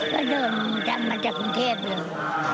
ก็นั่งรถเมจ๗๕มา